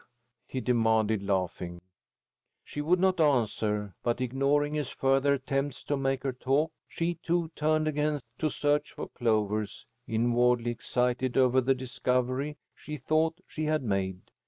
he demanded, laughing. She would not answer, but, ignoring his further attempts to make her talk, she, too, turned again to search for clovers, inwardly excited over the discovery she thought she had made.